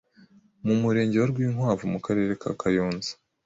mu Murenge wa Rwinkwavu, mu Karere ka Kayonza,